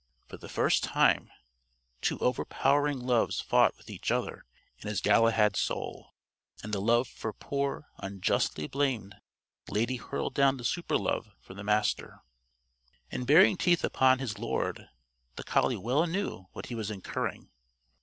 For the first time, two overpowering loves fought with each other in his Galahad soul. And the love for poor, unjustly blamed, Lady hurled down the superlove for the Master. In baring teeth upon his lord, the collie well knew what he was incurring.